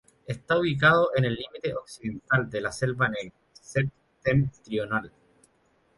Está ubicado en el límite occidental de la Selva Negra Septentrional.